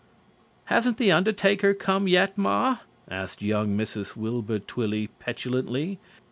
"Hasn't the undertaker come yet, Ma?" asked young Mrs. Wilbur Twilly petulantly.